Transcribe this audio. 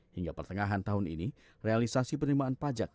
hingga pertengahan tahun ini realisasi penerimaan pajak